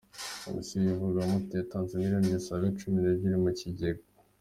Komisiyo y’ivugururamategeko yatanze miliyoni zisaga Cumi Nebyiri mu Cyigega